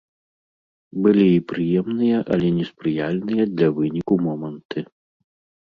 Былі і прыемныя, але неспрыяльныя для выніку моманты.